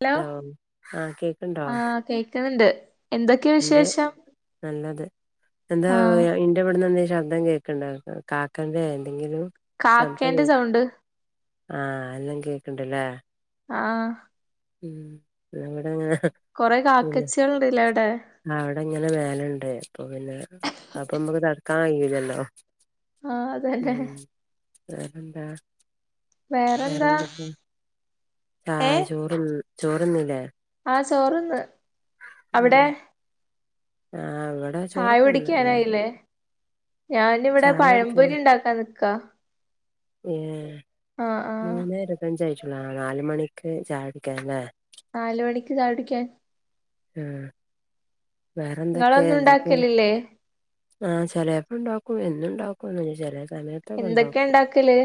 Hello ആഹ് കേക്ക്ണ്ടോ ആഹ് കേക്കുന്നുണ്ട് എന്തൊക്കെയാ എന്ത് വിശേഷം? നല്ലത് എന്താ ആഹ് ഇന്റെബടുന്ന് എന്തേലും ശബ് ദം കേക്കണ്ടാ ഇങ്ങക്ക് കാക്കന്റെ എന്തെങ്കിലും ശബ്ദം കേ കാക്കേന്റെ സൗണ്ട് ആഹ് അല്ലോം കേക്കണ്ടല്ലേ ആഹ് ഉം നിങ്ങടെങ്ങനെ കുറെ കാക്കച്ചികൾ ണ്ട്ല്ലേ ആ ഇവടെങ്ങനെ മേയല്ണ്ട് അപ്പൊ പിന്നെ അഅ്പ്പൊ മ്മക്ക് തട് ക്കാൻ കയ്യൂലല്ലോ ആഹ് അതതെ വേറെന്താ വേറെന്താ വേറെന്തൊക്കെ ചാ ഏഹ് ചോറും ചോറ്ന്നില്ലേ? ആഹ് ചോറ്ന്ന് അവിടെ ഉം ആഹ് ഇവിടെ ചായ ചോറൊക്കെ തിന്ന് എല്ലാരും കുടിക്കാനായില്ലേ? ഞാനിവിടെ ചായ പഴമ്പൊരി ഉണ്ടാക്കാ നിക്കാ ഏ ആഹ് ആഹ് മൂന്ന് ഇരുപഞ്ചായിട്ടളാം ആ നാലു മണിക്ക് ചായ കുടിക്കല്ലേ നാല് മണിക്ക് ചായകുടിക്കാൻ ഉഹ നിങ്ങളൊന്നും ഉണ്ടാക്കലില്ലേ ആ ചിലപ്പോ ഉണ്ടാക്കും എന്നുണ്ടാക്കുംന്ന് [unintelligible] എന്തൊക്കെണ്ടാക്കല്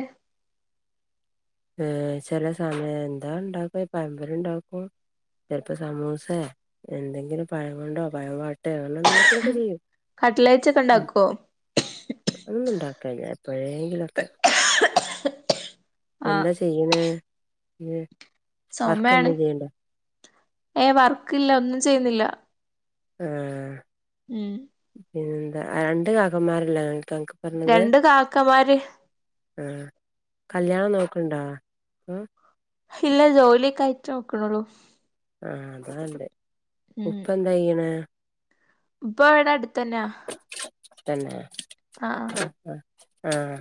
ഏ ചില സമയം എന്താ ഉണ്ടാക്കും പയപൊരി ഉണ്ടാക്കും ചിലപ്പോ സമൂസ എന്തെങ്കിലും പഴം കൊണ്ടോ പഴം പാട്ട് അങ്ങ എന്തെങ്കിലുക്കെ ചെയ്യും കട്ടിലറ്റൊക്കെ ഉം ഉണ്ടാക്കുവോ അപ്പോഴയെങ്കിലൊക്കെ [inaudible] എന്താ ചെയ്യണ വർക്ക് എന്ത ചെയ്യണ്ട? ഏ വർക്കില്ല ഒന്നും ചെയ്യുന്നില്ല ആഹ ഉം പിന്നെ എന്താ രണ്ട് കാക്കന്മാരെല്ല രണ്ട് കാക്കമാര് ആ കല്യാണം നോക്കണ്ടോ? ഇല്ല ജോലിയൊക്കെ ആയിട്ടു നോക്കണള്ളൂ ആഹ അതല്ലേ ഉപ്പ എന്താ ചെയ്യണ്? ഉപ്പ ഇവിടെ അടുത്തന്നെയാ [unintelligible] ആഹ ആഹ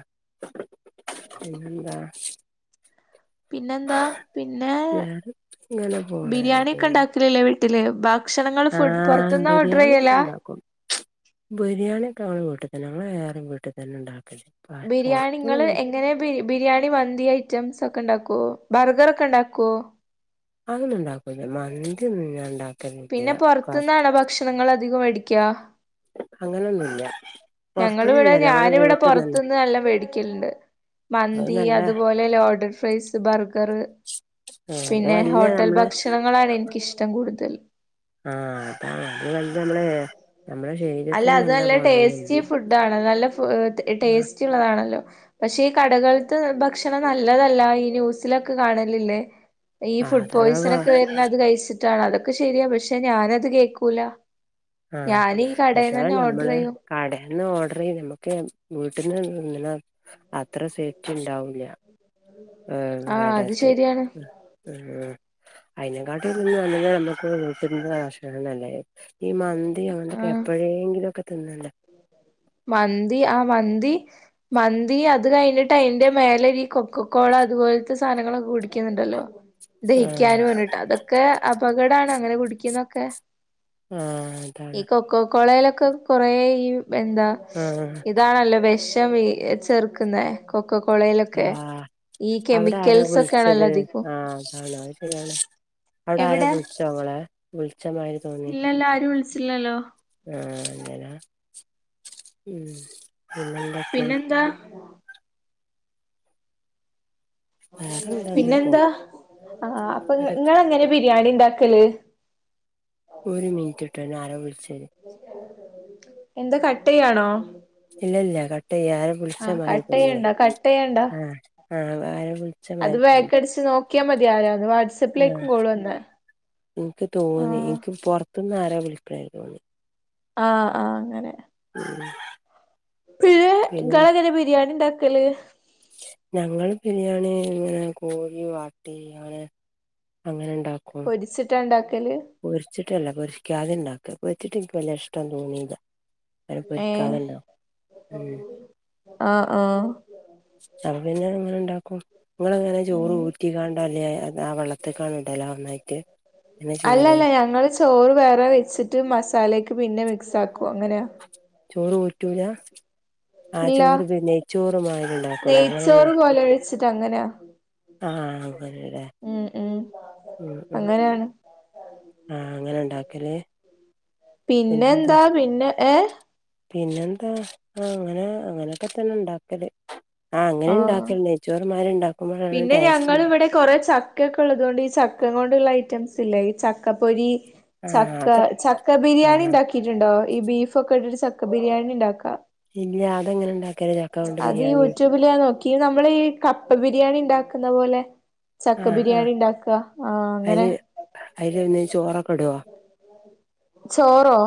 [inaudible] പിന്നെന്താ പിന്നെന്താ പിന്നെ വേറെ ഇങ്ങനെ പോണ ബിരിയാണി ഒക്കെ ഉണ്ടാക്കലല്ലേ വീട്ടില് ബാക്ക ആഹ ബിരിയാണിെ ഉണ്ടാക്കും ബിരിയാണി ഞങ്ങ വീട്ടിൽ തന്നെ [unintelligible] വീട്ടിൽന്ന ഉണ്ടാക്കും ബിരിയാണിങ്ങൾ എങ്ങനെ ബിരിയാണി വന്തി ഐറ്റംസ് ഒക്കെ ഉണ്ടാക്കും [unintelligible] ബർഗർ ഒക്കെ ഉണ്ടാക്കുവോ അങ്ങനെ ഉണ്ടാക്കുല്ല മന്തി നിന്നാൻ പിന്നെ ഉണ്ടാക്കലില്ല പുറത്തുന്നാണോ ഭക്ഷണങ്ങൾ [unintelligible] [inaudible] ഞങ്ങള ഇവിടെ പൊറത്ത്ന്നൊന്നല്ല ഞങ്ങളെ ഞാൻ ഇവിടെ വീട്ടിന്നന്നെ പൊറത്ത അത് മന്തി നല്ല അതുപോലെ ലോഡഡ് ഫ്രൈസ് ബർഗർ അത് പിന്നെ വല്യ ഹോട്ടൽ നമ്മളെ ഭക്ഷണങ്ങളാണ് എനിക്കിഷ്ടം കൂടുതൽ ആ [unintelligible] അല്ല അത് നല്ല ടേസ്റ്റി ഫുഡാണ് നല്ല ഫു ടേസ്റ്റള്ളതാണല്ലോ പക്ഷെ ഈ കടകൾത്ത് ഭക്ഷണം നല്ലതല്ല ഈ ന്യൂസിലൊക്കെ കാണലില്ലേ ഈ ആഹ് ഫുഡ് അതാണ് അത് പോയിസൺ ഒക്കെ വരുന്ന അത് കഴിച്ചിട്ടാണ് അതൊക്കെ ശരിയാ പക്ഷെ ഞാനത് കേൾക്കൂല ആഹ പക്ഷെ നമ്മള് ചെയ്യും കടന്ന് ഓർഡർ ചെയ്ത് നമ്മുക്ക് [unintelligible] പട്ട അത്ര സേഫ്റ്റ് ഉണ്ടാവൂല്ല ആ ആഹ് അത് കടത്ത് ശരിയാണ് [unintelligible] അതിനെക്കാട്ട [unintelligible] അമുക്ക് [unintelligible] ഈ മന്തി [unintelligible] ആഹ് എപ്പോഴെങ്കിലുക്കെ തിന്നണ്ട മന്തി ആ മന്തി മന്തി അത് കഴിഞ്ഞിട്ട് അയിന്റെ മേലെ ഈ കൊക്കക്കോള അതുപോലത്തെ സാധനങ്ങളൊക്കെ കുടിക്കുന്നുണ്ടല്ലോ ആഹ് ദഹിക്കാന വേന്നട്ട് അതൊക്കെ അപകടാണ് അങ്ങനെ കുടിക്കുന്നൊക്കെ ആഹ അതാണ് കൊളയിലൊക്കെ കുറെേ ഈ എന്താ ആഹ് ഇതാണല്ലോ ബെസ് ചെർക്കുന്ന കൊക്കകോളയിലൊക്കെ. ആഹ് അവിടെ ആരാ വിളിച്ചത്? ആ അതൊക്കെണാ അവിടെ ആരോ എവിടെ വിളിച്ചോ ങ്ങളെ? വിളിച്ചമാരി തോന്നി ഇല്ലല്ലോ ആരും വിളിച്ചില്ലല്ലോ ആ അങ്ങനാ ഉം പിന്നെന്തൊക്കെ? പിന്നെന്താ വേറെന്താ അങ്ങനെ പോണ് പിന്നെന്താ? ആ അപ്പൊ അടെ ങ്ങളെങ്ങനെ ബിരിയാണി ഉണ്ടാ ക്കല്? ഒരു മിനിറ്റ്ട്ടന്നാരോ വിളിച്ച് എന്താ കട്ടിയ്യാണോ? ഇല്ലല്ല കട്ടിയല്ല ആരോ വിളിച്ചമാരി തോന്നീ കട്ടെയ്യണ്ട കട്ടെയ്യണ്ട ആ ആ അത് ബാക്ക് അടിച്ചു നോക്കിയാ മതി ആരാന്ന്? ആ വാട്സപ്പിലേക്കും കോള് വന്നേ എനിക്ക് തോന്നി ആഹ് എനിക്ക് പൊറത്തുന്ന് ആരാ വിളിക്ക അ പ്രേി [unintelligible] ആ ആ അങ്ങനെ ഉം പിന്നെ ങ്ങളെങ്ങനെ ബിരിയേണിണ്ടാക്കല്? ഞങ്ങള് ബിരിയാാണിങ്ങനെ കോഴി വാട്ടീങ്ങനെ അങ്ങനെ ഉണ്ടാക്കും പൊരിച്ചിട്ടാണ്ടാക്കാ? പൊരിച്ചിട്ടല്ല! പൊരിക്കാതെ ഇണ്ടാക്ക പൊരിച്ചിട്ട് എനിക്ക് വല്യഇഷ്ടം തോന്നീല്ല. അനെ ഏ പൊരിക്കാതെണ്ടാക്കാ ഉം ആഹ് ആഹ് ചാർ പിന്നെങ്ങനെണ്ടാ ങ്ങളങ്ങനെ ചോറ് ഉം ഊറ്റിക്കാണ്ടാ ല്ലെ ആ വെള്ളത്തിക്കാങ്ങ്ടലാ ഒന്നായിട്ട്? ചെയ്യല് അല്ലല്ല ഞങ്ങള് ചോറ് വേറെ വെച്ചിട്ട് മസാലേക്ക് പിന്നെ മിക്സാക്കും അങ്ങനെയാ. ചോറ് ഊറ്റൂലാ? ആ ഇല്ല ചോറ് പിന്നെ നെയ്ചോറുമാരി ണ്ടാക്കുലേ അതങ്ങനെ? യിട്ട് അതെങ്ങനെ? ആ ങ്ങല്ലേ ഉം ഉം അങ്ങനെയാണ് ആ അങ്ങനെ. ണ്ടാക്കല്? പിന്നെന്താ പിന്നെ ഏ....? പിന്നെന്താ ആഅങ്ങനെ അങ്ങനെക്കെ തന്നെണ്ടാക്കല്. ആ അങ്ങനെ ആഹ് ണ്ടാക്കല് നെച്ചോർ മാരിണ്ടാക്കും പിന്നെ ഞങ്ങളിവിടെ കൊറെ ച ചക്കക്കെള്ളതുകൊണ്ട് ഈ ചക്കങ്ങൊണ്ടുള്ള ഐറ്റംസ്ല്ലേ ഈ ചക്കപ്പൊരി. ആ അത ചക്ക ചക്ക ആ ബിരിയാണിണ്ടാക്കിട്ടുണ്ടോ? ഈ ബീ ഫൊക്കെട്ടിട്ട് ചക്ക ബിരിയാണിണ്ടാക്കാ ഇല്ല അതെങ്ങനെണ്ടാക്കാ? അത് യൂട്യൂബിലാ നോക്കി നമ്മളീ കപ്പ ബിരിയാണി ഉണ്ടാക്ക്ന്ന പോലെ ആ ചക്ക ആ ബിരിയാണിണ്ടാക്കാ ആ അങ്ങനെ അയില് അയില് പിന്നെ ചോറൊക്കെ ഇടോ ചോറോ?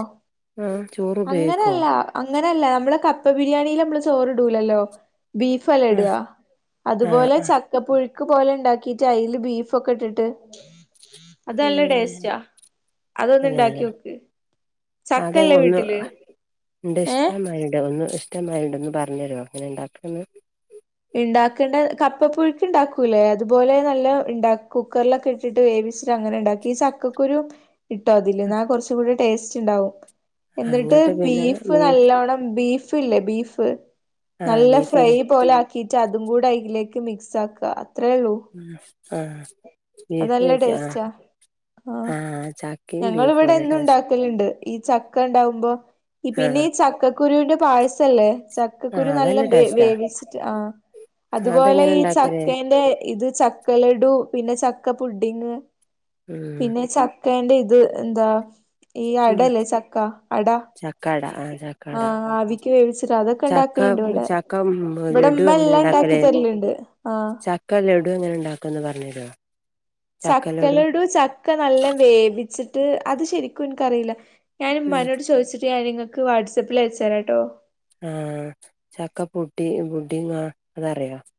ആ ചോറ് ഉപയോഗിക്കോ അങ്ങനെല്ലാ..... അ അങ്ങനെയല്ല! നമ്മള് കപ്പ ബിരിയാണില് മ്മള് ചോറുടൂലല്ലോ ബീഫ് ആ അല്ലെട്യാ ആ അതുപോലെ ആ ചക്കപ്പുഴ് ക്ക് പോലെ ഉണ്ടാക്കിട്ട് അയ്ല് ബീഫൊക്കെട്ടിട്ട് അത് നല്ല ടേസ്റ്റാ അതൊന്ന് അങ്ങനെ ണ്ടാക്കിയോക്ക്. അതെ ഒന്ന് ഇണ്ട് ഏഹ് ഇഷ്ടമായിണ്ട് ഒന്ന് ഇഷ്ടമാരിണ്ട് ഒന്ന്പറഞ്ഞേരോ ങ്ങനെ ഉണ്ടാക്ക്ണ്ന്ന്? ണ്ടാക്കേണ്ട കപ്പപ്പുഴുക്ക് ഉണ്ടാക്കൂലേ? അതുപോലെ നല്ല ണ്ടാ കുക്കറിലൊക്കെ ഇട്ടിട്ട് വേവി ച്ചിട്ട് അങ്ങനെണ്ടാക്കി ഈ ചക്കുരുും ട്ടോ അതില് എന്ന കുറച്ചൂടി ടേസ്റ്റ് ഉണ്ടാവും! എന്നിട്ട് അങ്ങട്ട് പിന്നെ ബീഫ് നല്ലോണം ബീഫ് ല്ലേ? ബീഫ്? ആ നല്ല ബീഫ് ഫ്രൈ പോലെ ആക്കിട്ട് അതും കൂടെ അതിലേക്ക് മിക്സാകാ അത്രുള്ളു ആ ആ അത് ബീഫ് ല്ല വെച്ച് ആ ടേസ്റ്റാ. ആ ചക്കയും ബീഫും അല്ല ഞങ്ങളിവിടെന്നും ടേസ്റ്റ് ഇണ്ടാക്കല്ണ്ട് ഈ ചക്കണ്ടാവുമ്പോ ആ പിന്നെ ഈ ചക്കക്കുരുന്റെ പായസംല്ലേ ആഹ് ചക്കക്കുരു നല്ല അതല്ല വെ ടേസ്റ്റാ വേവിച് ആ അതുപോലെ അതെങ്ങനെ ഈ ഉണ്ടാക്കല് ചകേന്റെ ഇത് ചക്ക ലഡു, പിന്നെ ചക്കപുഡിങ്, പിന്നെ ഉം ച അകേന്റെ. ഇത്. എന്താ. ഈ അടല്ലേ. ചക്ക അടാ ചക്കഅട. ആഹ. ചക്കട. വേവിച്ചിട്ട് അതൊക്കെ ചക്ക. ഇണ്ടാക്കല്ണ്ട് ഇവടെ ചക്കമ്മ് ഹ്മ് ഓ. ഇവടെ ലഡു. ഇമ്മ എല്ലാം ഇണ്ടാക്കി എങ്ങനെണ്ടാക്കല്. തരല്ണ്ട് ആഹ് ചക്ക ലഡു. എങ്ങനെണ്ടാകാന്ന്. പറഞ്ഞേരോ ചക്കലഡു. ചക്ക. നല്ല വേവിച്ചിട്ട്. അത് ശരിക്കും. എനിക്കറീല ഞാൻ ഉം ഇമ്മാനോട് ചോയിച്ചിട്ട് ഞാൻ നിങ്ങക്ക് വാട്സപ്പിൽ അയച്ചരാട്ടോ ഡി ബുഡിങ്ങാ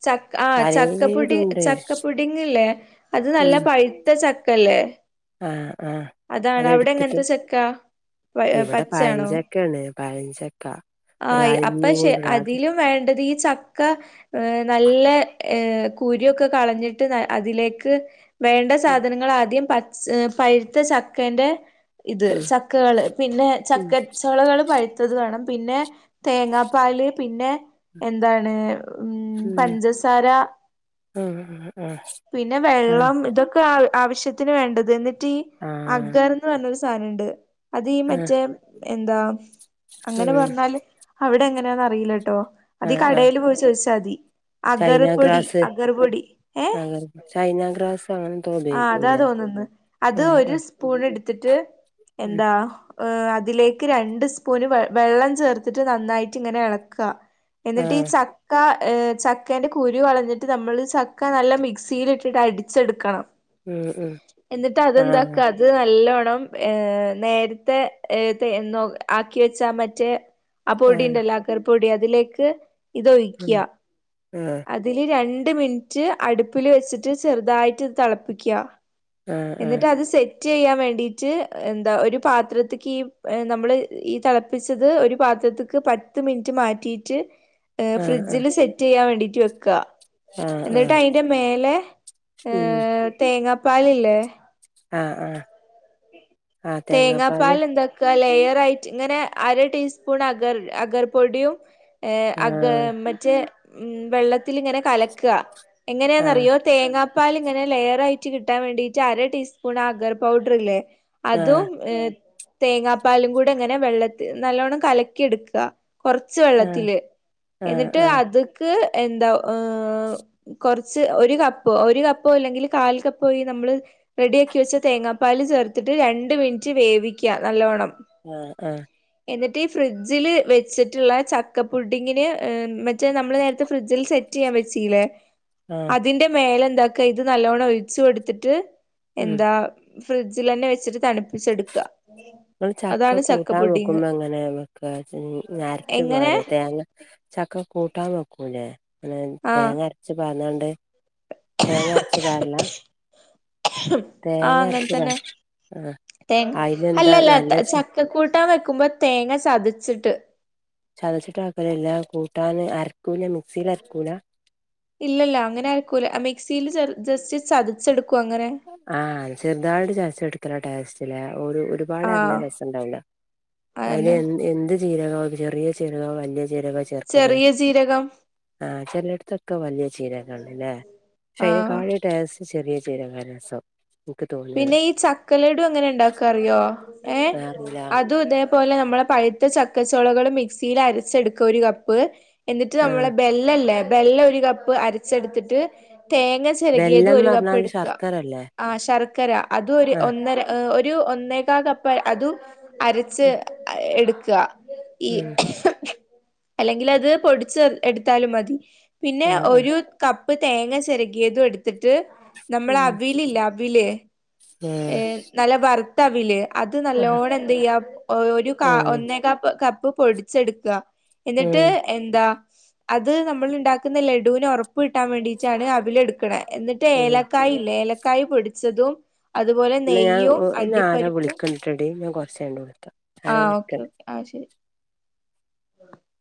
ചക്ക ആ ചക്ക ബുഡി ചക്ക ബുഡിങ്ങില്ലേ അത് നല്ല ഉം പഴുത്ത ച ക്കല്ലേ ആ അതെടുത്തിട്ട് എങ്ങനത്തെ ചക്ക ഇവിടെ പച്ചയാണോ പഴഞ്ചകേണ് പഴഞ്ചക്ക ആയി അപ്പഷ് ഒരലിഞ്ഞൂട അത് അതിലും വേണ്ടത് ഈ ചക്ക. ഏഹ് നല്ല ഏഹ് കുരുക്കെ കളഞ്ഞിട്ട് ന അതിലേക്ക് വേണ്ട ഉം സാധനങ്ങൾ ആദ്യം പച്ച പഴുത്ത ച്ചക്കെന്റെ ഇത് ചക്കകള് പിന്നെ ഉം ചക്കചൊളകള് പഴുത്തത് വേണം പിന്നെ തേങ്ങാപ്പാല്, പിന്നെ എന്താണ് ഉം പഞ്ചസാര ഉം ആഹ് ആഹ് പിന്നെ ആഹ് വെള്ളം ഇതൊക്കെ അഹ് ആവശ്യത്തിന് വേണ്ടത്. ന്നിട്ടീ ഈ ആഹ് അഗ്ഗർന്ന് പർണൊരു സാനണ്ട് അത് ഈ ആഹ് മറ്റേം എന്തോ അങ്ങനെ ആഹ് പർഞാല് അവിടെ എങ്ങനെയാന്ന് അറിയീലട്ടോ അതി ആഹ് കടല് പോയി ചോയിച്ചാ അതി ചൈന അഗർപൊടി ഗ്രാസ് അഗർപൊടി ഏ ആ ചൈന ഗ്രാസ് അങ്ങനെന്തോ ആ അതാ ഉപയോഗിക്കൂലേ തോന്നന്ന് ആ അത് ഒരു ആ സ്പൂൺ ടുത്തിട്ട് എന്താ ഏഹ് അതിലേക്ക് രണ്ട് സ്പൂൻ വെ വെള്ളം ചേർത്തിട്ട് നന്നായിട്ട് ഇങ്ങനെ ഇളക്ക ആ എന്നിട്ട് ഈ, ചക്ക ഏഹ് ചക്കേൻ്റെ കുരു കളഞ്ഞിട്ട് നമ്മൾ ചക്ക നല്ല മിക്സിയിലിട്ടിട്ട് അടിച്ചെടുക്കണം ഉം ഉം എന്നിട്ട് ആ അതെന്താക്ക അത് നല്ല ണം ഏഹ് നേരത്തെ ഏഹ് തെ ന്നൊ. ആക്കി വെച്ചാ മറ്റേ ആ ആപൊടിണ്ടല്ലാ അഗ്ഗർപൊടി അതിലേക്ക് ഉം ഇതൊഴിക്യാ ആ അതില് രണ്ട് രണ്ട്മിനിറ്റ് അടുപ്പിൽ വെച്ചിട്ട് ചെറുതായിട്ട് തെളപ്പിക്ക്യ ആ ആ എന്നിട്ട് അത്. സെ റ്റയാൻ വേണ്ടിട്ട് എന്താ ഒരു പാത്രത്ക് ഈ നമ്മള് ഈ തെളപ്പിച്ചത് ഒരു പാ ത്തക്ക് പത്ത് മിനിറ്റ് മാറ്റിയിട്ട് ഏഹ് ആ ആ ഫ്രിഡ്ജില് സെറ്റ് യ്യാൻ വേണ്ടിട്ട് വെക്കാ ആ ആ എന്നിട്ട് അയിന്റെ മേലെ ഉം ഏഹ് തേങ്ങാപ്പാലില്ലേ ആ ആ ആ തേങ്ങാ തേങ്ങാപ്പാല് പാല് ന്താക ലെയർ ആയിട്ട് ഇങ്ങനെ അര ടീസ്പൂൺ അഗർ അഗർ പൊടിയും ഏഹ് ആ അഗ്ഗ മറ്റേ വെള്ളത്തിലിങ്ങനെ കലക്ക ആ എങ്ങനെന്നറിയോ തേങ്ങാപ്പാല് ങ്ങനെ ലെയറായിട്ട് കിട്ടാൻ വേണ്ടിട്ട് അര ടീസ്പൂൺ അഗർ പൗഡർ ഇല്ലേ ആ ആ അതും തേങ്ങാപ്പാലും കൂടെങ്ങനെ വെള്ളത്തി നല്ലോണ്ണം കലക്കി ട്ക്കാ കൊറച്ച് ആ വെള്ളത്തില് ആ എന്നിട്ട് ആ അത്ക്ക് എന്താ ഏഹ് കൊറച്ച് ഒരു കപ്പ് ഒരു കപ്പോല്ലെങ്കിൽ കാൽകപ്പോ വീ നമ്മള് റെഡിയാക്കി വെച തേങ്ങാപ്പാൽ ചേർത്തിട്ട് രണ്ട് മിൻറ്റ് വേവിക നല്ലോണം ആ എന്നിട്ട് ഫ്രിഡ്ജിൽ വെച്ചിട്ട്ള്ള ചക്കപ്പുഡിങ്ങിന് ഏഹ് മറ്റേ നമ്മൾ നേരത്തെ ഫ്രിഡ്ജിൽ സെറ്റ് റ്റി യ്യാൻ വെചീലേ ആ അതിന്റെ മേലെന്താക്കാ ഇത് നല്ലോണം ഒഴിച്ചുടുത്തിട്ട് ഉം എന്താ ഫ്രിഡ്ജിലെന്നെ വെച്ചിട്ട് തണുപ്പിച്ചെടുക അതാണ് ചക്കപു കുമ്മ എങ്ങനെ വെക്കാ അരച്ച് എങ്ങനെ പാരോ തേങ്ങ ചക്ക കൂട്ടാൻ വെക്കൂലേ അങ്ങനെ ആഹ് തേങ്ങ അരച്ച് പാർന്നാണ്ട് തേങ്ങ അര്ച്ച് പാര്ലാ തേങ്ങ ആഹ് അങ്ങനെ തന്നെ അരച്ചുകറി ആ തേങ്ങ അയിനെന്താ അല്ലല്ല നല്ല ച ചക്കക്കൂട്ടാൻ വെക്കുമ്പോ തേങ്ങ ചതച്ചിട്ട് ചതച്ചിട്ട ആക്കലല്ല കൂട്ടൻ അര ഇല്ലല്ല അങ്ങനെ അരക്കൂല്ല മിക്സിൽ ജസ്റ്റ് ചതച്ചെടുക്കും അങ്ങനെ ആഹ് ചെറുതായിട്ട് ചതച് എടുത്താലാ ടേസ്റ്റ്ലേ ഒരുപാട് അരഞ്ഞാ ആഹ് രസം ഉണ്ടാവൂല അതിന് അതന്നെ എന്ത് ജീരക ചെറിയ ചിരകാ വലിയ ചിരകോ ചേർക്കല് ചെറിയ ജീരകം ആ ചെലോട്ത്തൊക്കെ വലിയ ജീരകാണ് ലേ പക്ഷേ ആഹ് അയിനെകാട്ടി ടേസ്റ്റ് ചെറിയ ജീരകാ രസം ഇൻക്ക് തോന്നിയത് പിന്നെ ഈ ചക്ക ലഡു എങ്ങനെ ണ്ടാക്കാ അറിയോ? വെ അറീല ഇത്പോലെ നമ്മളെ പഴുത്ത ചക്ക ച്ചോളകള് മിക്സിയിൽ അരച്ചെടുക്കുക ഒരു കപ്പ് എന്നിട്ട് ആഹ് നമ്മളെ ബെല്ലല്ലേ ബെല്ല ഒരു കപ്പ് അരച്ചെടുത്തിട്ട് തേങ്ങ ചെരകിയതും ബെല്ലം ഒരു കപ്പ് പറഞ്ഞാല് എടുക്കാ ശർക്കരല്ലേ ആ ശർ കരാ അത് ഒരു ആഹ് ഒന്നര ഒരു ഒന്നേക്കാ കപ്പ് അതും അരച്ച് എടുക്കാ ഈ ഉം അല്ലെങ്കില് അത് പൊടിച്ച് എടുത്താലും മതി പിന്നെ ആഹ് ആഹ് ഒരു കപ്പ് പ്പ് തേങ്ങ ചെരകിയതും എടുത്തിട്ട് നമ്മളെ ഉം അവില് ഇല്ലെ അവില് ഏ ഏഹ് നല്ല വർത്തവില് അത് ആഹ് നല്ലോണം എന്തെയ്യാ ഒരു കാ ഉം ഒന്നേകാപ് കപ്പ് പൊടിച്ചെടുക്കാ എന്നിട്ട് ഉം എന്താ അത് നമ്മള്ണ്ടാക്കുന്ന ലഡൂന് ഒറപ്പ് കിട്ടാൻ വേണ്ടിട്ടാണ് അവിൽ എടുക്കണെ എന്നിട്ട് ഉം ഏലക്കായ് ഇല്ലേ ഏലക്കായ് പൊടിച്ചതും അതുപോലെ എന്ന ഞാൻ നെയ്യും ഇന്നെ ആരോ അണ്ടിപ്പരിപ്പും വിളിക്കണ്ട്ട്ടോ ഡി ഞാൻ കൊർച് കഴിഞ്ഞിട്ട് വിളിക്കാം ആരോ ആഹ് ഓക്കെ വിളിക്കണ്ട് ഓക്കെ ആഹ് ശരി